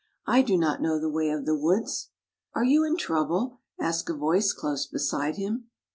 " I do not know the way of the woods." " Are you in trouble? " asked a voice close beside him.